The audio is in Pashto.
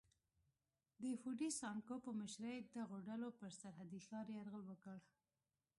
د فوډي سانکو په مشرۍ دغو ډلو پر سرحدي ښار یرغل وکړ.